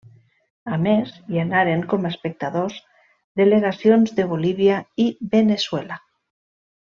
A més, hi anaren com a espectadors delegacions de Bolívia i Veneçuela.